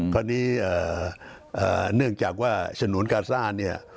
พอดีเนื่องจากว่าฉนวนกาซ่านี่